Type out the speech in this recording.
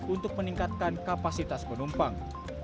untuk meningkatkan kapasitas penumpang